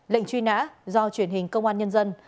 lệnh truy nã do truyền hình công an nhân dân